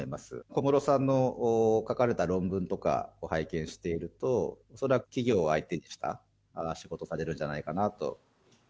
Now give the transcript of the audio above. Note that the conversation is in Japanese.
小室さんの書かれた論文とかを拝見していると、恐らく企業を相手にした仕事されるんじゃないかなと。